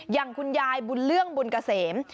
อย่างคุณยายบุญเรื่องบุญเกษม